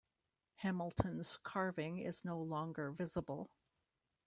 Hamilton's carving is no longer visible.